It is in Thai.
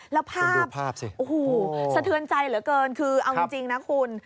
แล้วภาพภาพสิโอ้โหสะเทือนใจเหลือเกินคือเอาจริงนะคุณ